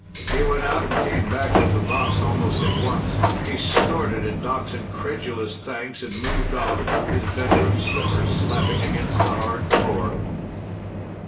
He went out and came back with the box almost at once. He snorted at Doc's incredulous thanks and moved off, his bedroom slippers slapping against the hard floor.